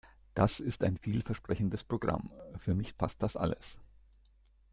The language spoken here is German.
Das ist ein vielversprechendes Programm. Für mich passt das alles.